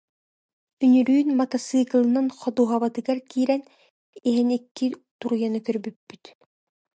Үнүрүүн матасыыкылынан ходуһабытыгар киирэн иһэн икки туруйаны көрбүппүт